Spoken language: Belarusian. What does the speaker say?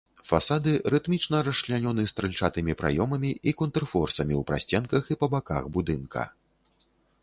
Фасады рытмічна расчлянёны стральчатымі праёмамі і контрфорсамі ў прасценках і па баках будынка.